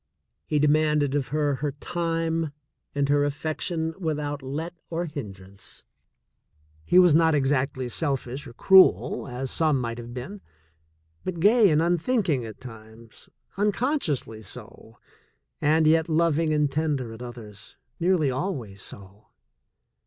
He demanded of her her time and her affection without let or hindrance. He was not exactly selfish or cruel, as some might have been, but gay and unthinking at times, unconsciously so, and yet loving and tender at others — nearly always so.